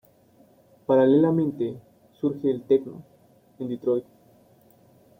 Paralelamente, surge el "techno" en Detroit.